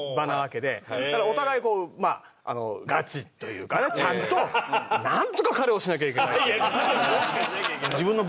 だからお互いこうまあガチというかねちゃんとなんとか彼をしなきゃいけない。